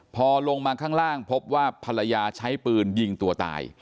พอลงมาข้างล่างพบว่าภรรยาใช้ปืนยิงตัวตาย